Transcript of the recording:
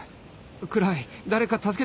暗い誰か助けてくれ